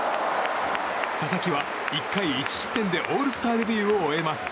佐々木は１回１失点でオールスターデビューを終えます。